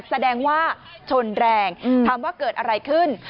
แสดงว่าชนแรงถามว่าเกิดอะไรขึ้น